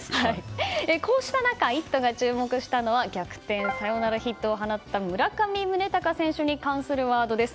こうした中「イット！」が注目したのは逆転サヨナラヒットを放った村上宗隆選手に関するワードです。